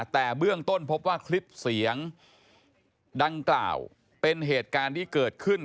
แต่เบื้องต้นพบว่าคลิปเสียงดังกล่าวเป็นเหตุการณ์ที่เกิดขึ้น